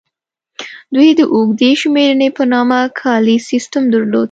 دوی د اوږدې شمېرنې په نامه کالیز سیستم درلود